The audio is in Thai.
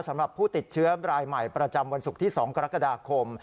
สำหรับผู้ติดเชื้อรายใหม่ประจำวันศุกร์ที่๒กรกฎาคม